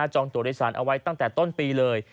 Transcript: จองตัวโดยสารเอาไว้ตั้งแต่ต้นปีเลย